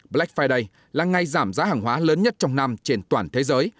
black friday là ngày giảm giá hàng hóa lớn nhất trong năm trên toàn thế giới